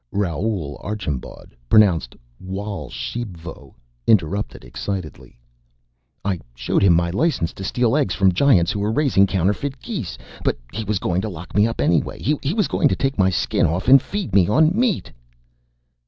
Raoul Archambaud pronounced Wawl Shebvo interrupted excitedly, "I showed him my license to steal eggs from Giants who were raising counterfeit geese, but he was going to lock me up anyway. He was going to take my Skin off and feed me on meat...."